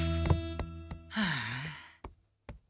はあ。